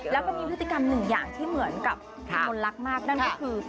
แล้วก็มีพฤติกรรมหนึ่งอย่างที่เหมือนกับคนรักมากนั่นก็คือ